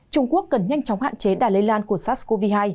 trung quốc cần nhanh chóng hạn chế đà lây lan của sars cov hai